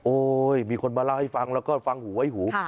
มีคนมาเล่าให้ฟังแล้วก็ฟังหูไว้หู